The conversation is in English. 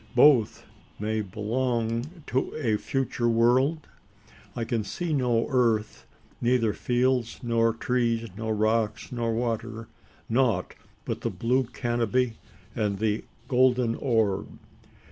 Both may belong to a future world? I can see no earth neither fields, nor trees, nor rocks, nor water nought but the blue canopy and the golden orb.